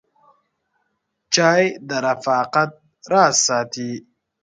چای د رفاقت راز ساتي.